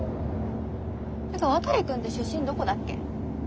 てか渡くんって出身どこだっけ？